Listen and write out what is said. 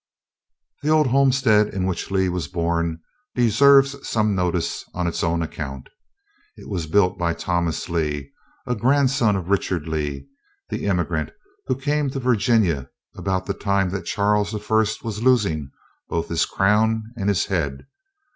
The old homestead in which Lee was born deserves some notice on its own account. It was built by Thomas Lee, a grandson of Richard Lee, the emigrant who came to Virginia about the time that Charles I was losing both his crown and his head.